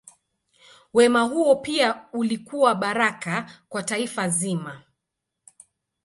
Wema huo pia ulikuwa baraka kwa taifa zima.